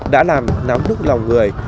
đã làm nắm đức lòng người